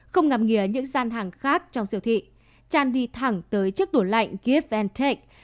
không ngạm nghĩa những gian hàng khác trong siêu thị chan đi thẳng tới chiếc đồ lạnh give take